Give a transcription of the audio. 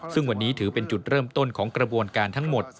ซึ่งวันนี้ถือเป็นจุดเริ่มต้นของกระบวนการทั้งหมด